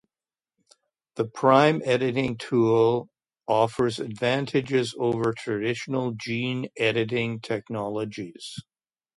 The prime editing tool offers advantages over traditional gene editing technologies.